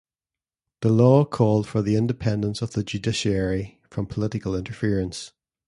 The law called for independence of the judiciary from political interference.